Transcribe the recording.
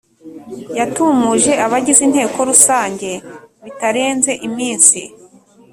Yatumuje abagize Inteko Rusange bitarenze iminsi